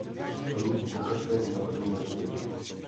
Růst pokračuje i za První republiky.